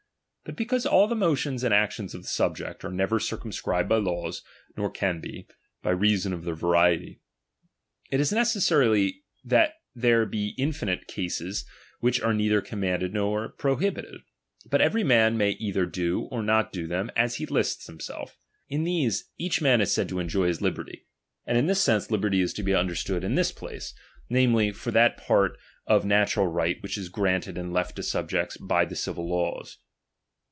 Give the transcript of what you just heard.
But because all the '"^"^ motions and actions of subjects are never circum scribed by laws, nor can be, by reason of their variety ; it is necessary that there be infinite cases which are neither commanded nor prohibited, but every man may either do or not do them as he lists himself. In these, each man is said to enjoy his liberty ; and in this sense liberty is to be under stood in this place, namely, for that part of natural right which is granted and left to subjects by the civil laws.